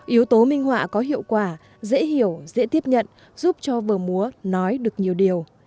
yếu tố minh họa có hiệu quả dễ hiểu dễ tiếp nhận giúp cho vở múa nói được nhiều điều